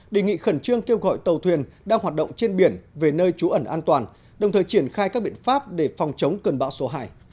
đề nghị khẩn trương kêu gọi tàu thuyền đang hoạt động trên biển về nơi trú ẩn an toàn đồng thời triển khai các biện pháp để phòng chống cơn bão số hai